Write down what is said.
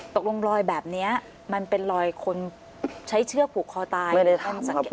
ตกลงรอยแบบนี้มันเป็นรอยคนใช้เชื้อผูกคอไตไม่ได้ถามครับ